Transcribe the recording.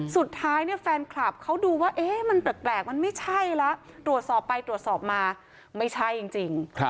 สุดท้ายเนี่ยแฟนคลับเขาดูว่ามันแปลกมันไม่ใช่แล้วตรวจสอบไปตรวจสอบมาไม่ใช่จริง